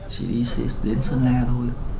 chỉ đi đến sơn la thôi